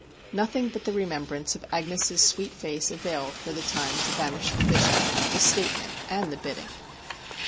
Nothing but the remembrance of Agnes' sweet face availed for the time to banish the vision, the statement, and the bidding.